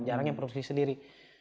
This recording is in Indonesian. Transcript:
jarang yang produksi sendiri